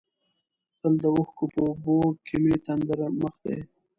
تل د اوښکو په اوبو کې مې تندر مخ دی.